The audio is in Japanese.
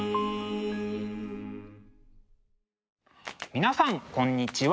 皆さんこんにちは。